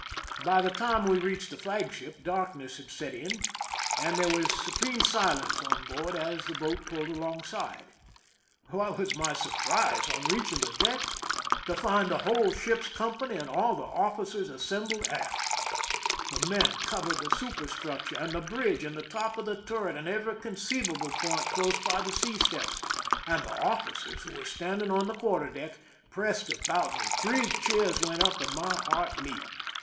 By the time we reached the flagship, darkness had set in, and there was supreme silence on board as the boat pulled alongside. What was my sur prise, on reaching the deck, to find the whole ship's company and aU the officers assembled aft ! The men covered the superstructure and the bridge and the top of the turret and every conceivable point close by the sea steps, and the officers, who were standing on the quarter deck, pressed about me. Three cheers went up, and my heart leaped.